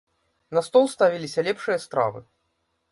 На стол ставіліся лепшыя стравы.